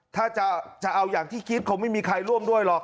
ถ้าจะเอาอย่างที่คิดคงไม่มีใครร่วมด้วยหรอก